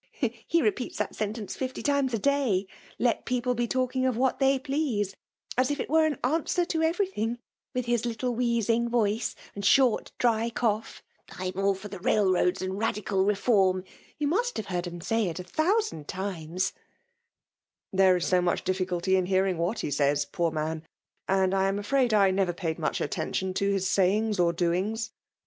* He repeats that sentence fifty times a day, let people be talking of what tHt^y please^ as if it were an answer to every thing 7 with his little wheezing voice and short dry cough, ' I am all for Railroads and Radical Reform/ you must have heard him say it a thousand times T' ''There is so much difficulty in hearing what he says, poor man; — and I am afraid I never paid much attention to his sayings o)^ doings."